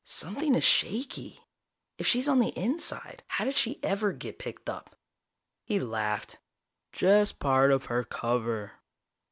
"Something is shaky. If she's on the inside, how did she ever get picked up?" He laughed. "Just part of her cover.